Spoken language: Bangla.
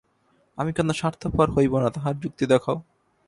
আমি কেন স্বার্থপর হইব না, তাহার যুক্তি দেখাও।